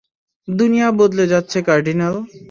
দুনিয়া বদলে যাচ্ছে, কার্ডিনাল।